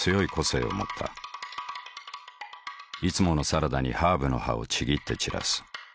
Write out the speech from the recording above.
いつものサラダにハーブの葉をちぎって散らす。